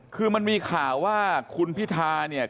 คือมันมีข่าวว่าคุณพิธาเนี่ย